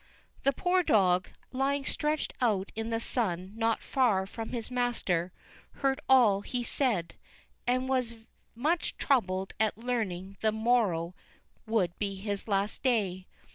The poor dog, lying stretched out in the sun not far from his master, heard all he said, and was much troubled at learning that the morrow would be his last day.